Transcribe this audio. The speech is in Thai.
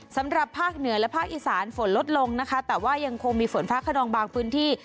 สำหรับภาคเหนือและภาคอีสานฝนลดลงนะคะแต่ว่ายังคงมีฝนฟ้าขนองบางพื้นที่